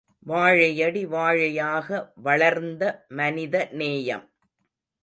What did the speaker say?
வாழையடி வாழையாக வளர்ந்த மனித நேயம்!